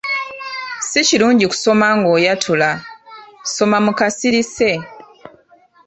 Si kirungi kusoma ng'oyatula, soma mu kasirise.